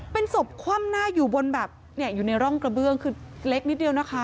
เป็นศพคว่ำหน้าอยู่บนแบบเนี่ยอยู่ในร่องกระเบื้องคือเล็กนิดเดียวนะคะ